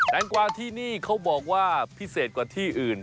งกวาที่นี่เขาบอกว่าพิเศษกว่าที่อื่น